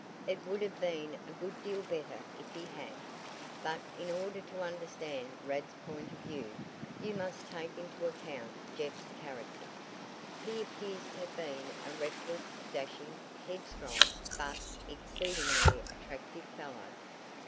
"It would have been a good deal better if he had. But in order to understand Rad's point of view, you must take into account Jeff's character. He appears to have been a reckless, dashing, headstrong, but exceedingly attractive fellow.